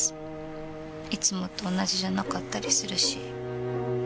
いつもと同じじゃなかったりするし。